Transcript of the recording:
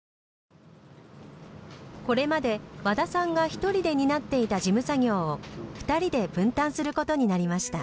これまで和田さんが１人で担っていた事務作業を２人で分担することになりました。